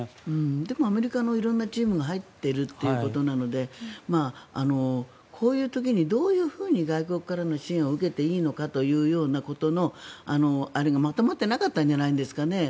でもアメリカの色んなチームが入っているということなのでこういう時にどういうふうに外国からの支援を受けていいのかというようなことのあれがまとまってなかったんじゃないですかね。